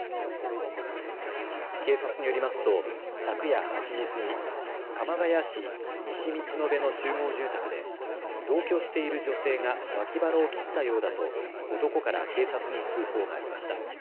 警察によりますと昨夜８時過ぎ、鎌ケ谷市西道野辺の集合住宅で同居している女性が脇腹を切ったようだと男から警察に通報がありました。